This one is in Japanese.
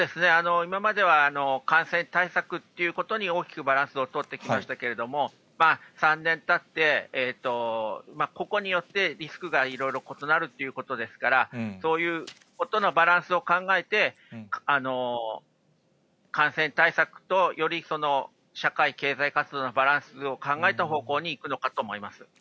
今までは感染対策ということに大きくバランスを取ってきましたけれども、３年たって、個々によってリスクがいろいろ異なるっていうことですから、そういうことのバランスを考えて、感染対策と、より社会経済活動のバランスを考えた方向にいくのかと思います。